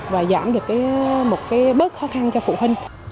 và giảm được một cái bớt khó khăn cho phụ huynh